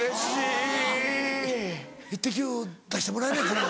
出してもらえないかな？